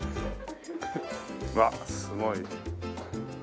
わっすごい。